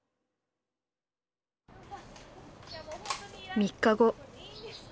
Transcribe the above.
３日後。